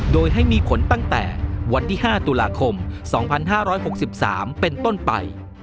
โดยให้มีผลตั้งแต่วันที่๕ตุลาคม๒๕๖๓เป็นต้นไป